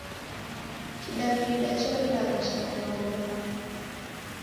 Kidaw'ida chaw'elaghasha malagho ghamu.